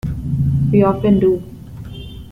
We often do.